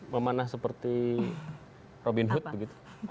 memanah seperti robin hood begitu